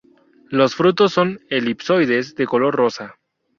Los frutos son elipsoides de color rosa.